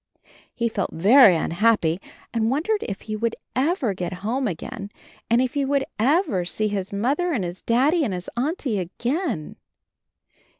He felt very unhappy and wondered if he would ever get home again and if he would ever see his Mother and his Daddy and his Auntie again.